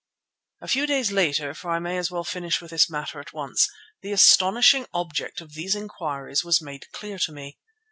A few days later, for I may as well finish with this matter at once, the astonishing object of these inquiries was made clear to me.